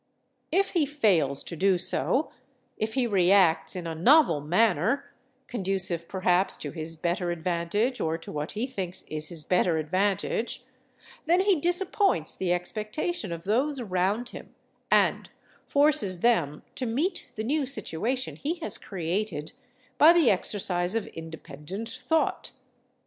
If he fails to do so, if he reacts in a novel manner—conducive, perhaps, to his better advantage or to what he thinks is his better advantage—then he disappoints the expectation of those around him, and forces them to meet the new situation he has created by the exercise of independent thought.